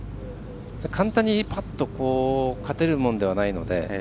簡単にぱっと勝てるものではないので。